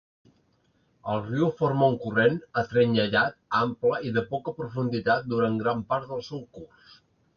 El riu forma un corrent atrenyellat ample i de poca profunditat durant gran part del seu curs.